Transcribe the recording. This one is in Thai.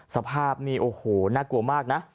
สภาพนี่โอ้โหน่ากลัวมากนะ